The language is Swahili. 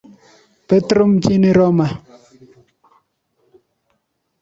Petro mjini Roma.